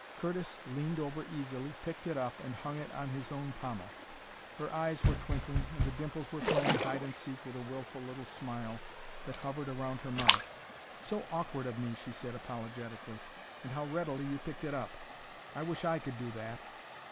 Curtis leaned over easily, picked it up, and hung it on his own pommel. Her eyes were twinkling and the dimples were playing hide and seek with a wilful little smile that hovered around her mouth. "So awkward of me," she said apologetically, "and how readily you picked it up! I wish I could do that!